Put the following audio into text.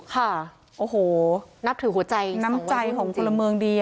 ค่ะนับถือหัวใจ๒วันครึ่งจริงน้ำใจของคนละเมืองดี